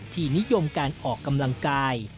ที่นิยมการออกกำลังกาย